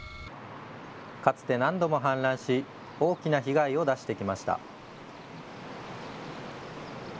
かつて何度も氾濫し大きな被害を出してきました。